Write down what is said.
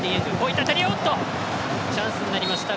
チャンスになりました。